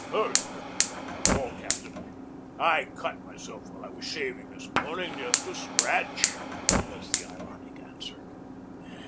"Hurt! Not at all, Captain. I cut myself while I was shaving this morning just a scratch," was the ironic answer.